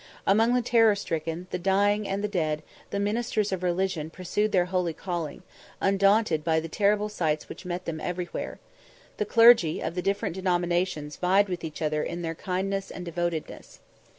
Among the terror stricken, the dying, and the dead, the ministers of religion pursued their holy calling, undaunted by the terrible sights which met them everywhere the clergy of the different denominations vied with each other in their kindness and devotedness.